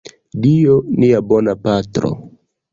Dio, nia bona Patro.